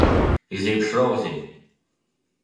Изеиԥшроузеи?